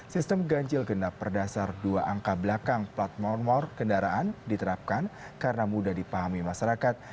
sistem ganjil genap berdasar dua angka belakang plat nomor kendaraan diterapkan karena mudah dipahami masyarakat